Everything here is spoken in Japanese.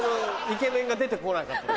イケメンが出て来なかった。